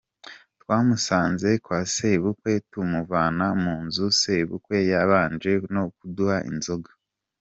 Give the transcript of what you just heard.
Twamusanze kwa Sebukwe, tumuvana mu nzu, sebukwe yabanje no kuduha inzoga.